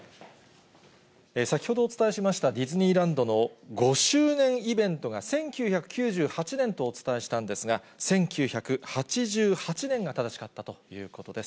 先ほどお伝えしましたディズニーランドの５周年イベントが、１９９８年とお伝えしたんですが、１９８８年が正しかったということです。